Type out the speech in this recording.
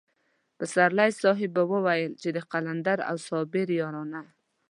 پسرلی صاحب به ويل چې د قلندر او صابر يارانه.